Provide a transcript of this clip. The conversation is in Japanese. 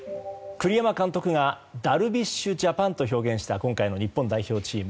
栗山監督がダルビッシュジャパンと表現した今回の日本代表チーム。